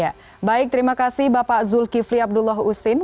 ya baik terima kasih bapak zulkifli abdullah husin